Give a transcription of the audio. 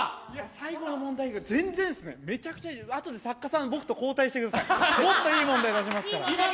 最後の問題が全然ですね、作家さん、交代してください、もっといい問題出しますから。